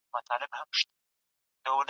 اسلام نه غواړي، چي مسلمان خپل ځان سپک کړي؛